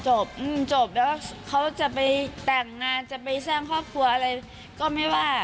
จบจบแล้วเขาจะไปแต่งงานจะไปสร้างครอบครัวอะไรก็ไม่ว่า